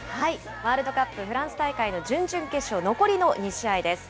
ワールドカップフランス大会の準々決勝、残りの２試合です。